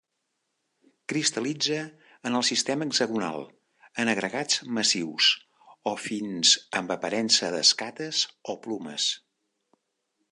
Cristal·litza en el sistema hexagonal en agregats massius o fins amb aparença d'escates o plomes.